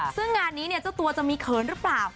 ซึ่งงานนี้เนี่ยเจ้าตัวจะมีเขินหรือเปล่า